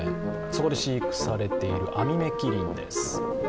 そこで飼育されているアミメキリンです。